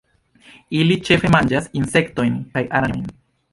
Ili ĉefe manĝas insektojn kaj araneojn.